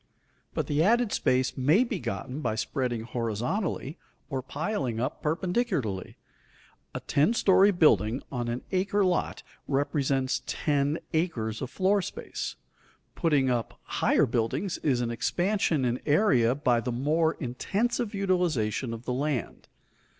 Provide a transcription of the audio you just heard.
But the added space may be gotten by spreading horizontally or piling up perpendicularly. A ten story building on an acre lot represents ten acres of floor space. Putting up higher buildings is an expansion in area by the more intensive utilization of the land.